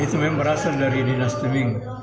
itu yang berasal dari dinasti ming